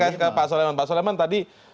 saya ke pak soleman pak soleman tadi